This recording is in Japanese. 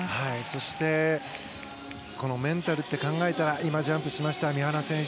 そしてメンタルと考えたら今ジャンプしました、三原選手。